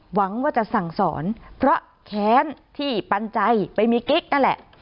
หวังว่าจะสั่งสอนเพราะแค้นที่ปันใจไปมีกิ๊กนั่นแหละ